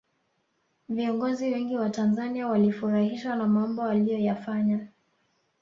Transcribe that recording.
viongozi wengi wa tanzania walifurahishwa na mambo aliyoyafanya